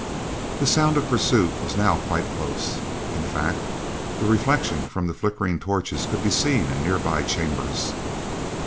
The sound of pursuit was now quite close, in fact the reflection from flickering torches could be seen in nearby chambers.